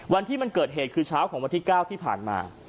วันที่มันเกิดเหตุคือเช้าของวันที่๙ที่ผ่านมา